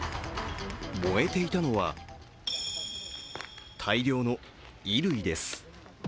燃えていたのは大量の衣類です。